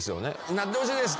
「なってほしいです」